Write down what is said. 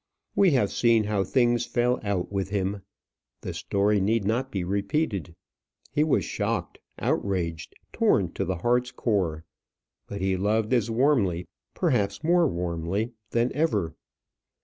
We have seen how things fell out with him. The story need not be repeated. He was shocked, outraged, torn to the heart's core; but he loved as warmly, perhaps more warmly than ever.